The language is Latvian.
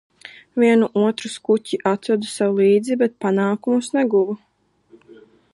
"Vienu otru skuķi atvedu sev līdz, bet "panākumus" neguvu."